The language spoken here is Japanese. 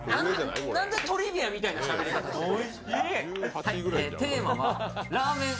なんでトリビアみたいなしゃべり方してんの。